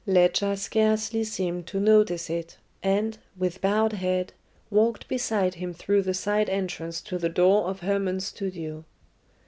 Ledscha scarcely seemed to notice it, and, with bowed head, walked beside him through the side entrance to the door of Hermon's studio.